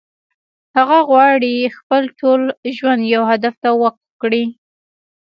هغه غواړي خپل ټول ژوند يو هدف ته وقف کړي.